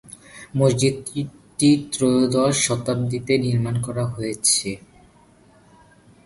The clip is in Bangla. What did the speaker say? মসজিদটি ত্রয়োদশ শতাব্দীতে নির্মাণ করা হয়েছে।